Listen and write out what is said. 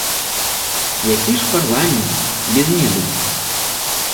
Які ж парламент без медыкаў!